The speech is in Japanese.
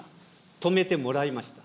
止めてもらいました。